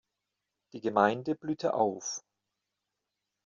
Die Gemeinde blühte auf.